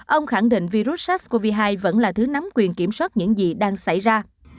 ông khẳng định virus sars cov hai vẫn là thứ nắm quyền kiểm soát những gì đang xảy ra